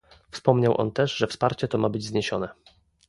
Wspomniał on też, że wsparcie to ma być zniesione